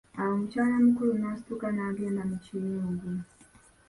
Awo mukyala mukulu, n'asituka n'agenda mu kiyungu.